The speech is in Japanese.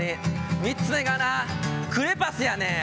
「３つ目がなクレパスやねん」